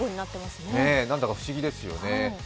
なんだか不思議ですよね。